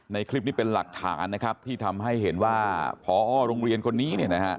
ในคลิปนี้เป็นหลักฐานที่ทำให้เห็นว่าพรโรงเรียนคนนี้